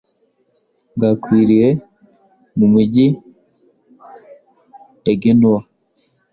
bwakwiriye mu mijyi ya Genoa